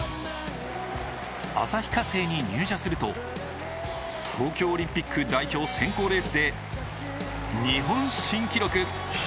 旭化成に入社すると、東京オリンピック代表選考レースで日本新記録。